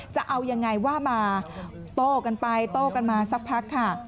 จะเอายังไงว่ามาโต้กันไปโต้กันมาสักพักค่ะ